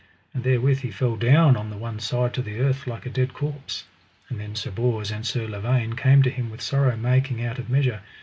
And therewith he fell down on the one side to the earth like a dead corpse. And then Sir Bors and Sir Lavaine came to him with sorrow making out of measure.